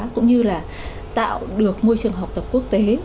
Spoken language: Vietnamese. cũng như là tạo được môi trường học tập quốc tế